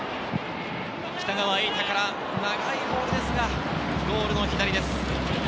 北川瑛大から長いボールですが、ゴールの左です。